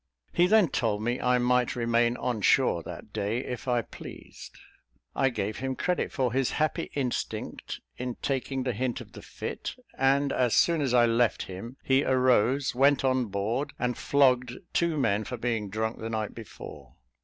He then told me I might remain on shore that day, if I pleased. I gave him credit for his happy instinct in taking the hint of the fit; and as soon as I left him, he arose, went on board, and flogged two men for being drunk the night before.